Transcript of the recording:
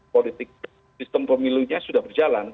politik sistem pemilunya sudah berjalan